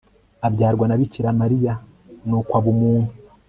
abyarwa na bikira mariya nukw'ab'umuntu